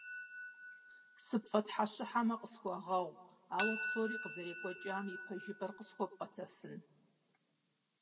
СыпфӀэтхьэщыхьэмэ, къысхуэгъэгъу, ауэ псори къызэрекӀуэкӀам и пэжыпӀэр къысхуэпӀуэтэфын?